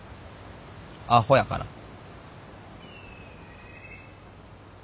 あほやから。